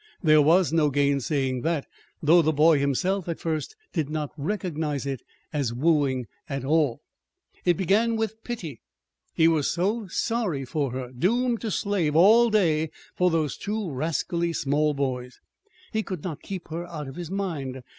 There was no gainsaying that though the boy himself, at first, did not recognize it as wooing at all. It began with pity. He was so sorry for her doomed to slave all day for those two rascally small boys. He could not keep her out of his mind.